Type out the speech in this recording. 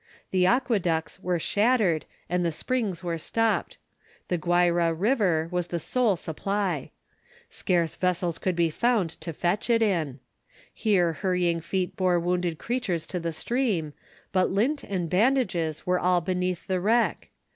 The aqueducts were shattered and the springs were stopped; the Guayra River was the sole supply. Scarce vessels could be found to fetch it in. Here hurrying feet bore wounded creatures to the stream; but lint and bandages were all beneath the wreck.